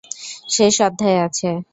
শেষ অধ্যায়ে আছে।